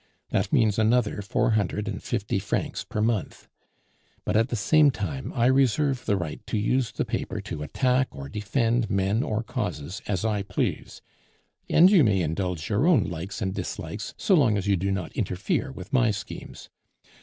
That means another four hundred and fifty francs per month. But, at the same time, I reserve the right to use the paper to attack or defend men or causes, as I please; and you may indulge your own likes and dislikes so long as you do not interfere with my schemes.